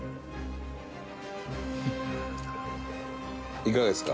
いかがですか？